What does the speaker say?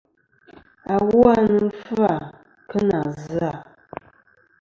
Awu a nɨn fɨ-à kɨ nà zɨ-à.